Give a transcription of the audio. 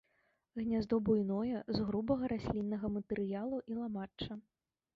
Гняздо буйное, з грубага расліннага матэрыялу і ламачча.